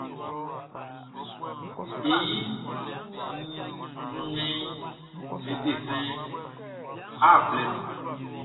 E yi nnɛnʼm be desɛn art blɛ nun.